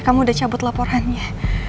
kamu udah cabut laporannya